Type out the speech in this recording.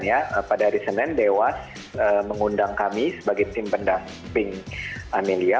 kemudian pada hari senin dewan pengawas mengundang kami sebagai tim pendamping amelia